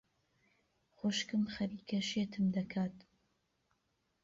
خوشکم خەریکە شێتم دەکات.